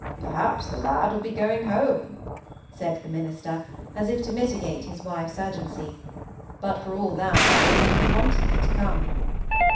"Perhaps the lad will be going home," said the minister, as if to mitigate his wife's urgency; but for all that, I believe he wanted me to come.